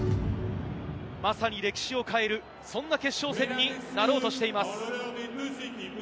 まさに歴史を変える決勝戦になろうとしています。